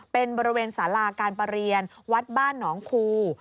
เป็นบริเวณสาราการประเรียนวัดบ้านหนองคู